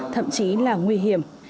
thậm chí là nguy hiểm